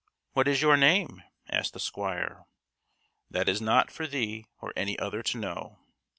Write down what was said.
"What is your name?" asked the squire. "That is not for thee or any other to know."